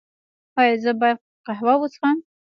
ایا زه باید قهوه وڅښم؟